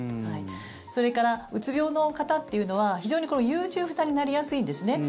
それから、うつ病の方というのは非常に優柔不断になりやすいんですね。